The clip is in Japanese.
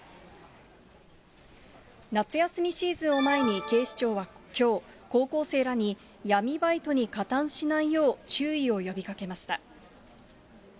夏休みシーズンを前に警視庁はきょう、高校生らに闇バイトに加担しないよう注意を呼びかけました。